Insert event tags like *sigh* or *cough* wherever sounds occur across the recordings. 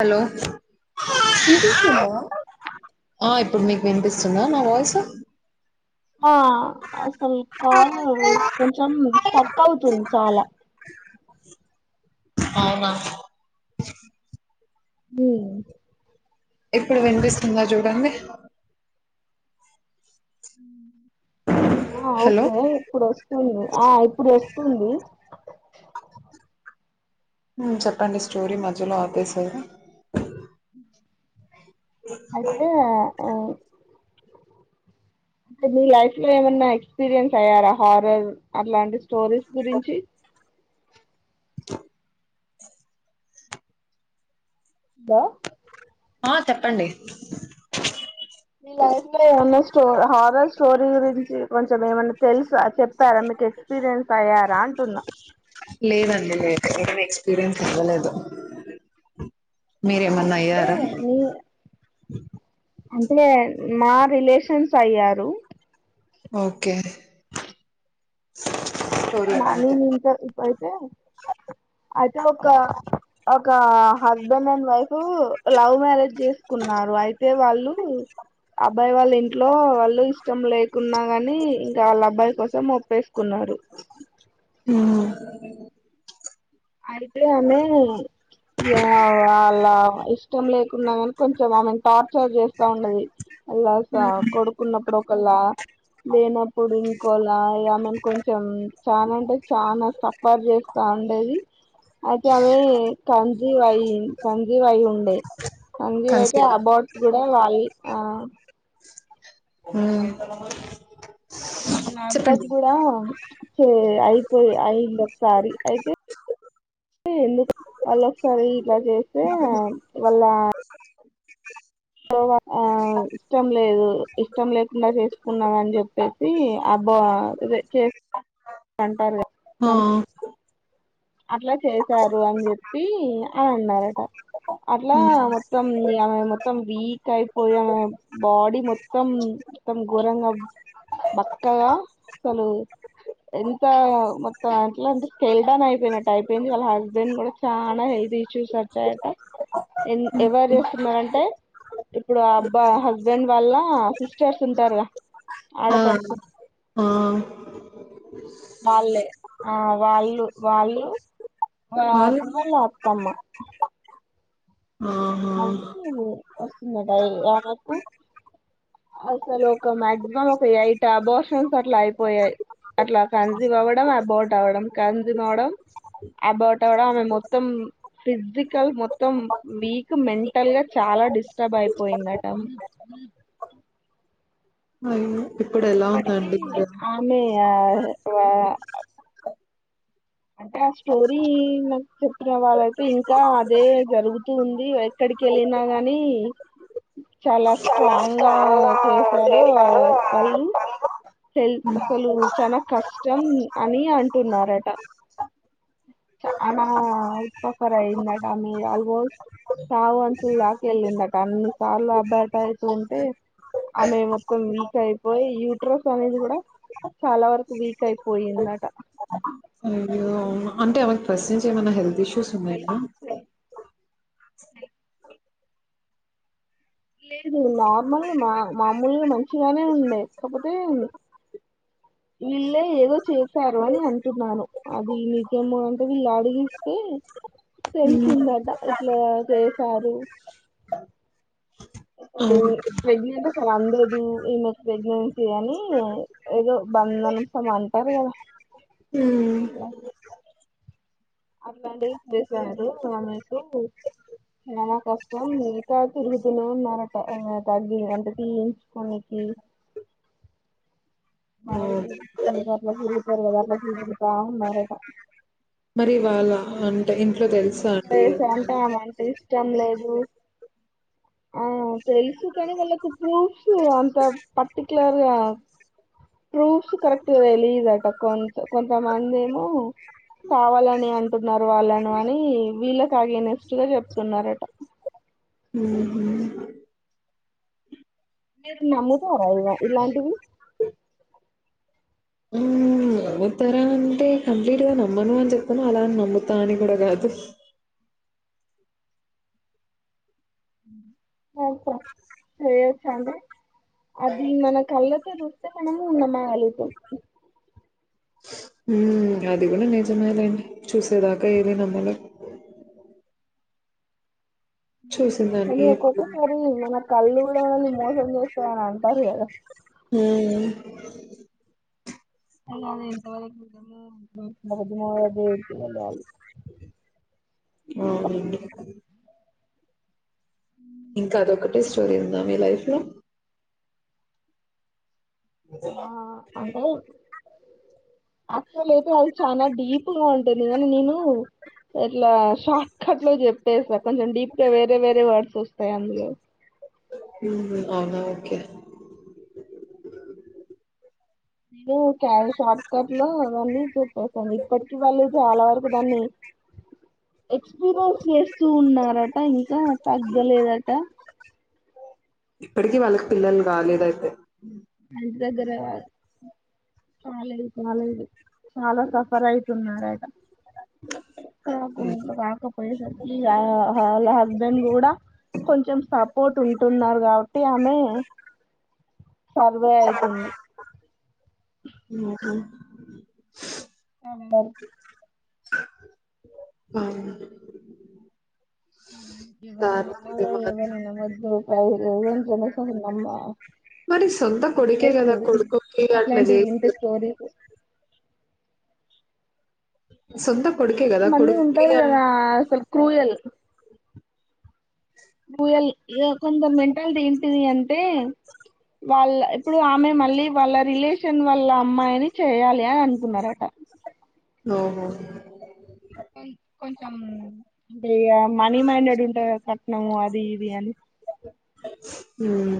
Hello చూపిస్తుందా ఆ ఇప్పుడు మీకు వినిపిస్తుందా నా వాయిస్ ఆ అసల్ కాల్ కొంచెం స్టక్ ఐతుంది చాలా అవునా మ్మ్ ఇప్పుడు వినిపిస్తుందా జుడండి మ్మ్ ఆ హలో ఓకే ఇప్పుడు ఓస్తుంది ఆ ఇప్పుడు వస్తుంది మ్మ్ చెప్పండి స్టోరీ మధ్యలో ఆపేసారు ఐతే ఆ అ ఆ అంటే మీ లైఫ్ లో ఏమన్నా ఎక్స్పీరియన్స్ అయ్యారా హారర్ అట్లాంటి స్టోరీస్ గురించి బా ఆ చెప్పండి మీ లైఫ్ లో ఏమన్నా స్టో హారర్ స్టోరీ గురించి కొంచెం ఏమన్నా తెల్సా చెప్పారా మీకు ఎక్స్పీరియన్స్ అయ్యారా అంటున్నా నేనేం ఎక్స్పీరియన్స్ అవ్వలేదు మీరేమన్నా అయితే అయ్యారా నీ అంటే మా రిలేషన్స్ అయ్యారు ఓకే స్టోరీ ఏమన్నా మలి చెప్తా నింకా ఇప్పుడయితే అయితే ఒక ఒక husband and wife love marriage జేస్కున్నారు అయితే వాళ్ళు అబ్బాయి వాళ్ళ ఇంట్లో వాళ్ళు ఇష్టం లేకున్నా గానీ ఇంకా ఆళ్ళ అబ్బాయి కోసం ఒప్పేస్కున్నారు మ్మ్ ఆడితే ఆమె ఈగా వాళ్ళ ఇష్టం లేకున్నా గాని కొంచెం ఆమెను ట చార్చేస్తా ఉండేది అలా స కొడుకున్నప్పుడు ఒకలా లేనప్పుడు ఇ కోలా ఈగమేని కొంచెం చాన అంటే చానా సఫర్ జేస్తా ఉండేది అయితే ఆమె కాన్సివివ్ అయి కాన్సివయిండే కాన్సివయితే కన్సివ్ అబౌట్ గూడా వాళి ఆ మ్మ్ మళ్ళ నాగరాజ్గూడ సే ఐతే అయింది ఒకసారి అయితే ఎందుకు వల్లోకసారి ఇట్లా జేస్తే వాళ్ళ ఆ ఇష్టం లేదు ఇష్టం లేకుండా చేసుకున్నాగని చెప్పేసి అ బా ఇదే చేసుకు అంటారు గదా ఆ అట్లా చేసారు అని జేప్పి అన్ అన్నారంట అట్లా మ్, మొత్తం ఇగ ఆమె మొత్తం వీక్ అయిపోయా ఆమె బాడీ మొత్తం మొత్తం ఘోరంగా బక్కగా అసలు ఎంత మోత్ అట్లంటె స్కెలిటన్ అయి అయిపోయినట్టైపోయింది వాళ్ళ హస్బెండ్ గూడా చాలా హెల్త్ ఇష్యూస్ ఒచ్చాయంట ఎద్ ఎవర్చుతున్నారంటే ఇప్పుడు అబ్బా హస్బెండ్ వళ్ల్ళ సిస్టర్స్ ఉంటారుగా ఆడపడుచు. ఆహ్ వాళ్ళే ఆహ్ వాళ్ళు వాళ్ళు. ఆహ్ వాళ్ళు అప్పుడు వాల అత్తమ్మా. ఆహా అందుకు వస్తుంద డైలీగ ఆమెకు అసలు ఒక మాక్సిమం ఒక ఎయిటబోషన్స్ అట్లా అయిపోయాయి అట్లా కాన్సెవ్ అవ్వడం ఆ బోట్ అవ్వడం కాన్సీవ్ అవడం అబొట్ అవ్వడం ఆమె మొత్తం ఫిజిక్ అయ్యి మొత్తం వీక్ మెంటల్ గా చాలా డిస్టర్బ్ అయిపోయిందట అయ్యో ఇప్పుడు ఎలా ఇప్పటికి ఉందండి మరి ఆమె ఆహ్ వా. అంటే ఆ స్టోరీ నాకు చెప్పిన వాళ్ళయితే ఇంకా అదే జరుగుతూ ఉంది ఎక్కడి. ఆడికి వేళ్ళినా గాని. చాలా స్ట్రాంగ్ గా చాలా చేసారు చేశారు ఆ వాళ్ళు. హెల్ అసలు చాలా కష్టం అని అంటున్నారట. చాన *unintelligible* మీరు ఆల్మోస్ట్. చావు అంచులు దాక వెళ్ళిందట అన్నిసార్లు అబాట్ అయితుంటే. ఆమె మొత్తం వీక్ అయిపోయి యూట్రస్ అనేది కూడా. చాలా వరకు వీక్ అయిపోయిందట. అయ్యో అంటే ఆమెకి ఫస్ట్ నుంచి ఏమైనా హెల్త్ ఇష్యూస్ నాకు ఉన్నాయా. తెలుసు లేదు నార్మల్గా మా మామూలుగా మంచిగానే ఉండే కాకపోతే. వీళ్ళే ఏదో చేశారు అని అంటున్నాను అది నీజమో అంటే వీళ్ళు అడిగిస్తే. హ్మ్. తెలిసిందట ఇట్లా చేసారు. అవును ప్రగ్నెంటే అసలు అందదు ఈమె ప్రెగ్నెన్సీ అని ఏదో బందను. *unintelligible* అంటారు కదా. హ్మ్. అట్లాంటివి చేశారు అమెకు. చాల కష్టం ఇంకా తిరుగుతూనే ఉన్నారంటా తగ్గి అంటే తీయించుకోనికి. ఉమ్. ఆయిల్ ఓకే పెట్టిచ్చుకొని గట్ల తిరుగుతారు కదా అట్ల తిరుగితా ఉన్నరట. మరి వాళ అంటే ఇంట్లో ఎందుకు తెలుసా ఇట్లా అండి. చేశా అంటే ఆమె అంటే ఇష్టం లేదు. ఆహ్ తెలుసు కానీ వాళ్ళకు ప్రూఫ్స్ అంత పర్టికులర్గా. ప్రూఫ్స్ కరెక్ట్గా తెలిదట కొం కొంతమందేమో. కావాలని అంటున్నారు వాళ్ళను. అని వీళ్ళకి అగైనెస్ట్గ చెప్తున్నారట. మ్మ్ మీరు నమ్ముతారా ఇలా ఇలాంటివి. నమ్ముతారా అంటే కంప్లీట్ గా నమ్మను అని చెప్పను అలా నమ్ముతా అని కూడా కాదు. చేయొచ్చా అండి అది మన కళ్ళతో చూస్తే. మనము నమ్మగలుగుతం. ఉమ్ అది కూడ నిజమేలే చూసేదాకా ఏది నమ్మలేం. చూసిందాన్ని కానీ ఎప్పుడు ఒక్కొక్కసారి మన కళ్ళు కూడా మనని మోసం చేస్తాయని అంటారు కదా. ఉమ్. అది ఎంతవరకు నిజమో. అవునండి. ఇంకా అదొకట్టే స్టోరీ ఉందా మీ లైఫ్ లో. ఆహ్ అంటే. అసలు అయితే అది చానా డీపుగా ఉంటుంది కనీ నేను. ఇట్లా షార్ట్ కట్ లో చెప్పేసా కొంచెం డీప్ గా వేరే వేరే వర్డ్స్ వస్తాయి అందులో. ఉమ్ అవునా ఓకే. విను క్యాడి షార్ట్కట్ లో అవన్నీ చెప్పేసాను ఇప్పటికి వాళ్ళు చాలా వరకు దాన్ని ఎక్స్పీరియన్స్ చేస్తూ ఉన్నారట ఇంకా తగ్గలేదట ఇప్పడికి వాళ్ళకి పిల్లలు కాలేదయితే మా ఇంటి దగ్గర కాలేదు కాలేదు. చాలా సఫర్ ఐతుండు ఆయన కాకపోయే సరికి యా వాళ్ల హస్బెండ్ కూడా కొంచెం సాప్. పోటు ఉంటున్నారు కాబట్టి ఆమె. సర్వే అయితుంది ఉహ్మ్ అందరికి ఉమ్ ఎవర్ని నమ్మాలో మాత్రం ఎవర్ని నమోదో మరి సొంత కొడుకే *unintelligible* కదా స్టోరీ కొడుకుకి అట్లా అట్లాంటి వింటే చేస్తరు స్టోరీలు సొంత కొడుకే కదా మంది ఉంటారు కొడుక్కిగా కదా అసలు క్రూయల్ *unintelligible* కొందరి మెంటాల్టీ ఏంటిదంటే వాల్ ఇప్పుడు ఆమె మళ్ళీ వాళ్ళ రిలేషన్ వాళ్ళ అమ్మాయిని చేయ్యాలి అని అనుకున్నారట అవునా కొంచెం ఇగ మనీ మైండెడ్ ఉంటంద్ గద కట్నం అది ఇది అని ఉమ్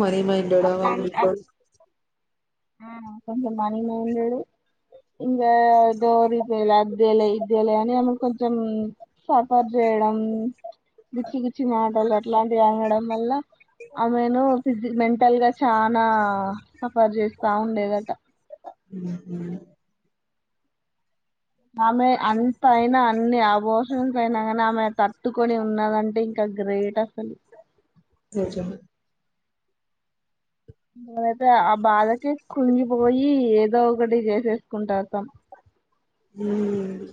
మని మైండెడ్ ఆ వాల్ *unintelligible* ఆ కొంచెం మనీ మైండెడ్ ఇంగా డోరి దేలే అదేలే ఇదేలే అని ఆమెను కొంచెం సఫర్ జేయడం గుచ్చిగుచ్చి మాటల్ అట్లాంటివి ఆనడం వల్ల ఆమెను ఫీజ్ మెంటల్ గా చనా సఫర్ చేస్తా ఉండే దట మ్ హ్ ఆమె అంత అయినా అన్ని అబోషన్స్ అయినా గానీ ఆమె తట్టుకొని ఉన్నదంటే ఇంకా గ్రేట్ అసలు నిజం మొదట ఆ భాదకి కుంగిపోయి ఏదో ఒకటి చేసేస్కుంటా అతం హ్మ్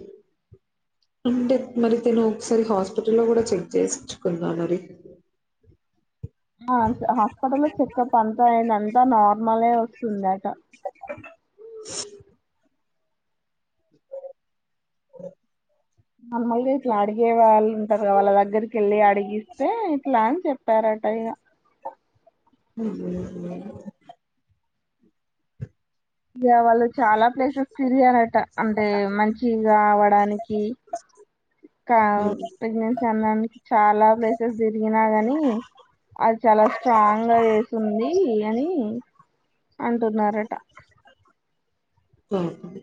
అంటే మరి తాను ఒకసారి హాస్పిటల్లో కూడా చెక్ చేసుకుందా మరి ఆ హాస్పిటల్లో చెకప్ అంతా అయింది అంతా నార్మలే ఒస్తుందట *inaudible* మాములుగా ఇట్లా అడిగే వాళ్ళు ఉంటారు గా వాళ్ళ దగ్గరికి ఏళ్ళి అడిగిస్తే ఇట్లా అని చెప్పార అటా ఇగ ఉహు ఉహ్మ్ ఇగ వాల్ చాలా ప్లేసెస్ తీరగారట అంటే మంచిగా అవ్వడానికి కా హ్మ్. ప్రెగ్నెన్సీ ఆనందుకు చాలా ప్లేసెస్ తిరిగిన గాని అది చాలా స్ట్రాంగ్ గా చేసుంది అని అంటున్నారట ఉహుహ్మ్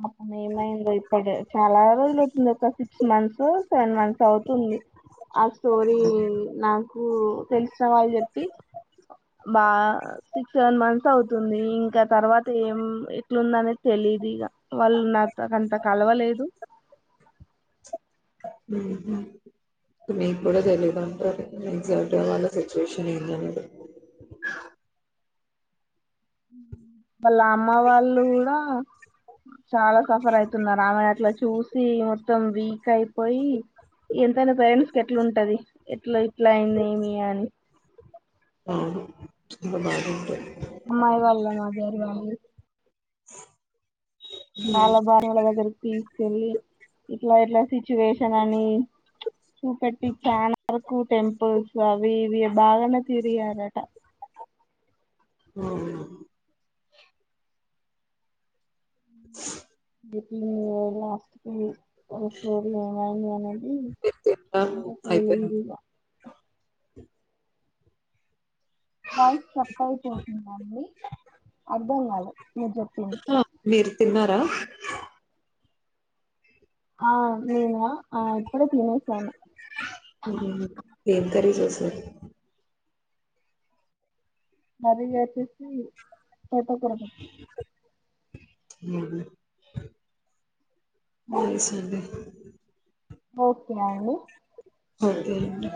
పాపం ఏమైందో ఇపుడు చాలా రోజులు అవుతుంద్ ఒక సిక్స్ మంత్స్ ఒ సెవెన్ మంత్స్ ఒ అవుతుంది ఆ స్టోరీ నాకు తెల్సు *inaudible* మా సిక్స్ సెవెన్ మంత్స్ అవుతుంది ఇంకా తర్వాత ఏం ఇట్లుందని అనేది తెలిద్ ఇగ వాల్ నాతోన్ అంత కలవలేదు మ్ హ్ మీకు కూడా తెలియదుంటారు ఎక్సెక్ట్స్ వాళ్ళ సిచ్యువేషన్ *unintelligible* వాళ్ళా అమ్మ వాళ్ళు గూడా చాలా సఫర్ అయితున్నారు ఆమెని అట్ల చూసి మొత్తం వీక్ అయిపోయి ఎంతైనా పేరెంట్స్ కెట్లుంటది ఎట్ల ఇట్లా అయింది ఇమియా అని అవును *unintelligible* అమ్మాయి వాళ్ళ మదర్ వాళ్ళు వాళ్ళ భార్యల దగ్గరకి తీసుకెళ్ళి ఇట్లా ఇట్లా సిచ్యువేషన్ అని చూపెట్టి చానా వరకు టెంపుల్స్ అవి ఇవి బాగానే తిరిగారట అవునా *unintelligible* తె తిట్టాను ఇంకా అయిపోయినాక తెలియదుగా వాయస్ కట్ అయిపోతుందండి అర్థం గాలే హ మీరు తిన్నారా ఆ నేనా ఆహ్ ఇప్పుడే తీనేసాను మ్మ్. ఏం కర్రీ చేసారు కర్రీ వచ్చేసి తోటకూర పప్పు *inaudible* ఓకే అండి ఒకే అండి